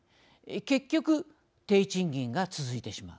結局、低賃金が続いてしまう。